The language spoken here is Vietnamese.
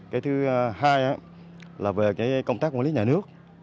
cái thứ hai là về cái công tác quản lý nhà nước